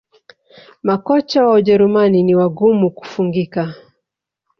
Makocha wa Ujerumani ni wagumu kufungika